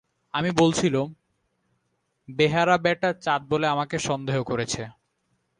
আমি বলছিলুম, বেহারা বেটা চাঁদ বলে আমাকে সন্দেহ করেছে।